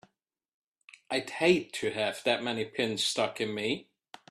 I'd hate to have that many pins stuck in me!